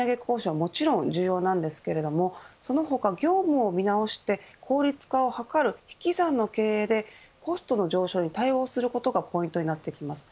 もちろん重要なんですけれどもその他、業務を見直して効率化を図る引き算の経営でコストの上昇に対応することがポイントになってきます。